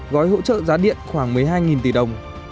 gói hỗ trợ giá điện khoảng một mươi hai tỷ đồng